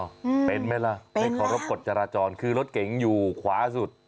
อืมเป็นไหมล่ะไม่เคารพกฎจราจรคือรถเก๋งอยู่ขวาสุด